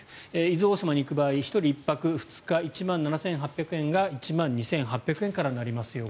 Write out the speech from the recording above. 伊豆大島に行く場合１人１泊２日１万７８００円が１万２８００円からになりますよ